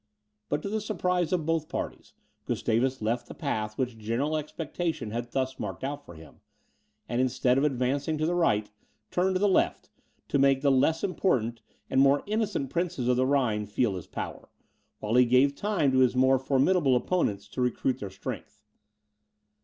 But to the surprise of both parties, Gustavus left the path which general expectation had thus marked out for him; and instead of advancing to the right, turned to the left, to make the less important and more innocent princes of the Rhine feel his power, while he gave time to his more formidable opponents to recruit their strength.